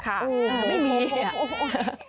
ไม่มี